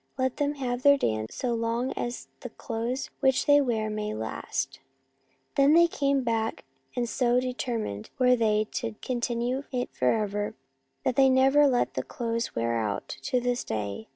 Let them have their dance so long as the clothes which they wear may last/ Then they came back and so de termined were they to continue it for ever, that they never let the clothes wear out to this day.